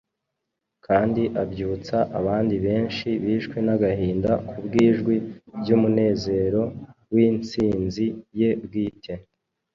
kandi abyutsa abandi benshi bishwe n’agahinda kubw’ijwi ry’umunezero w’insinzi ye bwite